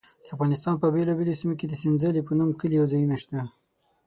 د افغانستان په بېلابېلو سیمو کې د سنځلې په نوم کلي او ځایونه شته.